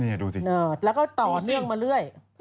นี่ดูสิแล้วก็ต่อเนื่องมาเรื่อย